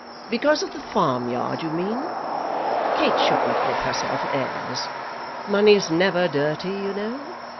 "Because of the farmyard, you mean? Kate shouldn't give herself airs. Money's never dirty, you know.